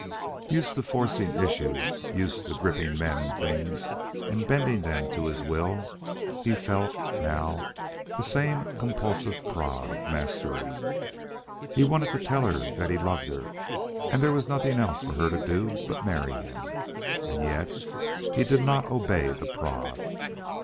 Used to forcing issues used to gripping men and things and bending them to his will, he felt, now, the same compulsive prod of mastery. He wanted to tell her that he loved her and that there was nothing else for her to do but marry him. And yet he did not obey the prod.